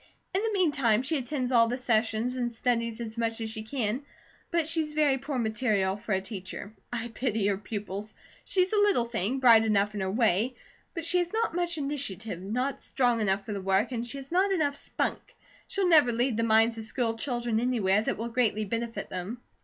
In the meantime, she attends all the sessions and studies as much as she can; but she's very poor material for a teacher. I pity her pupils. She's a little thing, bright enough in her way, but she has not much initiative, not strong enough for the work, and she has not enough spunk. She'll never lead the minds of school children anywhere that will greatly benefit them."